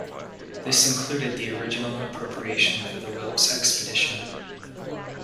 This included the original appropriation for the Wilkes expedition.